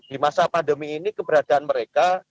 di masa pandemi ini keberadaan mereka